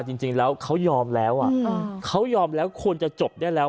จริงแล้วเขายอมแล้วอ่ะเขายอมแล้วควรจะจบได้แล้ว